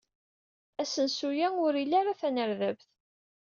Asensu-a ur ili ara tanerdabt.